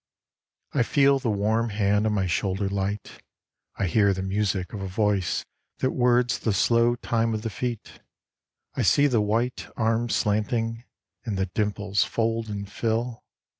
I feel the warm hand on my shoulder light, I hear the music of a voice that words The slow time of the feet, I see the white Arms slanting, and the dimples fold and fill.